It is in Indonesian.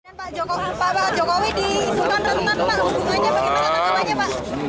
pak jokowi di isukan renang pak